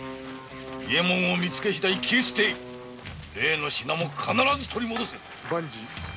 伊右衛門をみつけしだい斬り捨てい例の品も必ず取り戻せ。